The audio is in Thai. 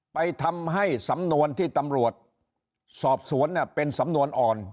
ไปทำให้สำนวนที่ตำรวจสอบสวนเป็นสำนวนอ่อน